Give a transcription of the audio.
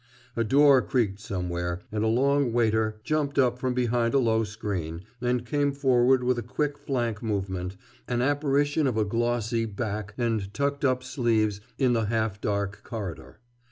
A door creaked somewhere, and a long waiter jumped up from behind a low screen, and came forward with a quick flank movement, an apparition of a glossy back and tucked up sleeves in the half dark corridor.